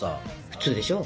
普通でしょ。